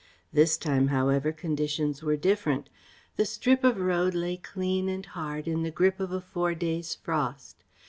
This time, however, conditions were different. The strip of road lay clean and hard in the grip of a four days' frost.